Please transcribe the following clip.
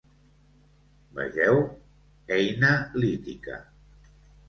Vegeu: Eina lítica.